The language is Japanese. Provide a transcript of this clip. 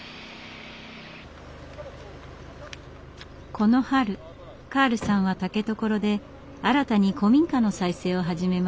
この春カールさんは竹所で新たに古民家の再生を始めました。